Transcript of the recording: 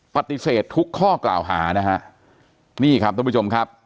ปฏิเสธทุกข้อกล่าวหานะฮะนี่ครับท่านผู้ชมครับ